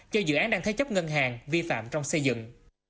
cho dự án đang thế chấp ngân hàng vi phạm trong xây dựng